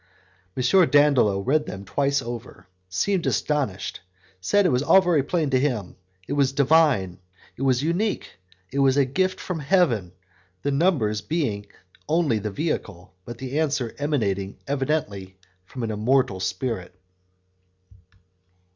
M. Dandolo read them twice over, seemed astonished, said that it was all very plain to him; it was Divine, it was unique, it was a gift from Heaven, the numbers being only the vehicle, but the answer emanating evidently from an immortal spirit.